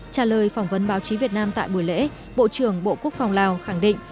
trả lời phỏng vấn báo chí việt nam tại buổi lễ bộ trưởng bộ quốc phòng lào khẳng định